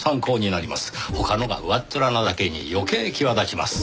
他のが上っ面なだけに余計際立ちます。